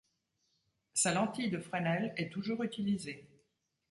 Sa lentille de Fresnel est toujours utilisée.